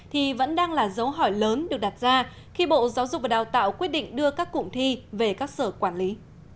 thì vẫn đang là dấu hỏi lớn được đặt ra khi bộ giáo dục và đào tạo quyết định đưa các cụm thi về các sở quản lý